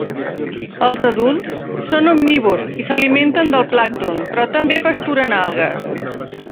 Els adults són omnívors i s'alimenten del plàncton, però també pasturen algues.